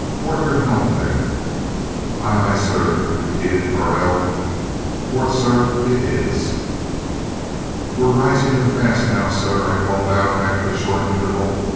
"Port your helm, there!" "Aye, aye, sir," repeated Parrell. "Port, sir, it is." "We're rising her fast now, sir," I called out after a short interval.